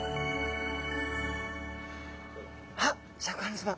あっシャーク香音さま